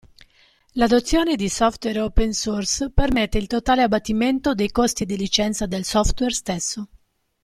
L'adozione di software open source permette il totale abbattimento dei costi di licenza del software stesso.